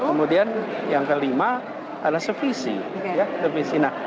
kemudian yang kelima adalah sevisi